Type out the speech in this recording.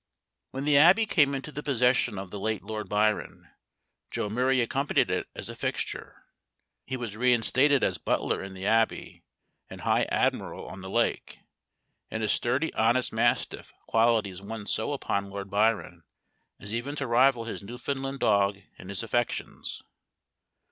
When the Abbey came into the possession of the late Lord Byron, Joe Murray accompanied it as a fixture. He was reinstated as butler in the Abbey, and high admiral on the lake, and his sturdy honest mastiff qualities won so upon Lord Byron as even to rival his Newfoundland dog in his affections.